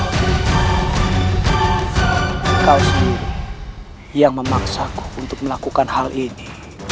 kau sendiri yang memaksaku untuk melakukan hal ini